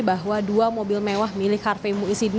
bahwa dua mobil mewah milih harvey muhyiddin ini